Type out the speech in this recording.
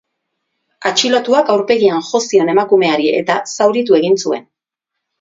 Atxilotuak aurpegian jo zion emakumeari eta zauritu egin zuen.